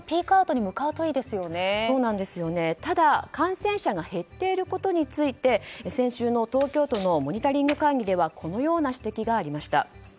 ただ、感染者が減っていることについて先週の東京都のモニタリング会議ではこのような指摘がありました。